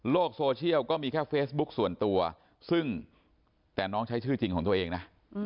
โซเชียลก็มีแค่เฟซบุ๊คส่วนตัวซึ่งแต่น้องใช้ชื่อจริงของตัวเองนะ